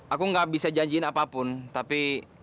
aku gak bisa janjiin apapun tapi